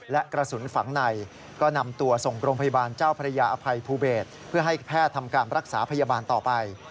และกระสุนฝังในก็นำตัวส่งโรงพยาบาลเจ้าพระยาอภัยภูเบศเพื่อให้แพทย์ทำการรักษาพยาบาลต่อไป